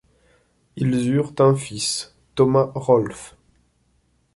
Ils eurent un fils, Thomas Rolfe.